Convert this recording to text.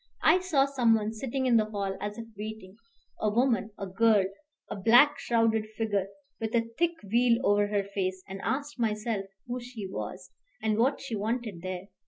I saw some one sitting in the hall as if waiting, a woman, a girl, a black shrouded figure, with a thick veil over her face; and asked myself who she was, and what she wanted there.